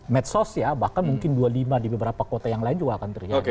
medsos ya bahkan mungkin dua puluh lima di beberapa kota yang lain juga akan terjadi